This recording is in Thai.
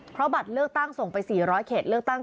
เพราะบัตรเลือกตั้งส่งไป๔๐๐เกต